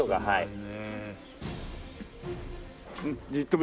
はい。